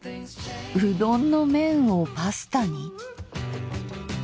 うどんの麺をパスタに？